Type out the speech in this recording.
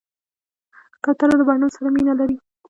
کوتره له بڼو سره مینه لري.